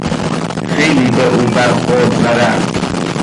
خیلی به او برخورد و رفت.